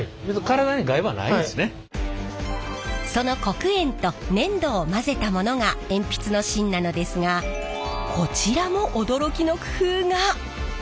その黒鉛と粘土を混ぜたものが鉛筆の芯なのですがこちらも驚きの工夫が！